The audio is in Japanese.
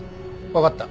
わかった。